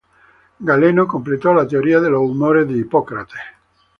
Galeno completó la teoría de los humores de Hipócrates.